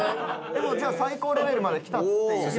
もうじゃあ最高レベルまできたっていう。